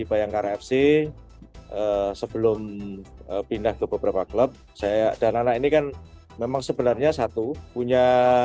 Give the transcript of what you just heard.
bayangkara fc sebelum pindah ke beberapa klub saya dan anak ini kan memang sebenarnya satu punya